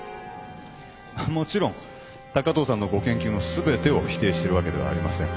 もちろん高藤さんのご研究の全てを否定しているわけではありません。